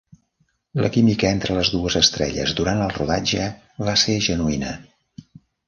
La química entre les dues estrelles durant el rodatge va ser genuïna.